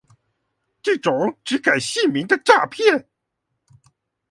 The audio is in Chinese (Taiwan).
這種只改姓名的詐騙